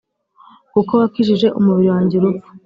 Kuko wakijije umubiri wanjye urupfu